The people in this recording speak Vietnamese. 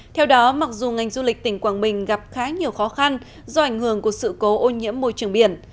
theo đó mặc dù ngành du lịch tỉnh quảng bình gặp khá nhiều khó khăn do ảnh hưởng của sự cố ô nhiễm môi trường biển